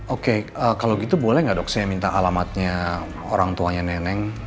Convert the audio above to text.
oke kalau gitu boleh gak dok saya minta alamatnya orang tuanya neneng